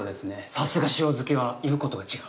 さすが塩好きは言うことが違う。